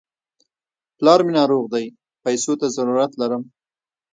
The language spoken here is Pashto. پلار مې ناروغ دی، پيسو ته ضرورت لرم.